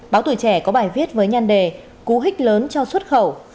báo tuổi trẻ có bài viết với nhăn đề cú hích lớn cho xuất khẩu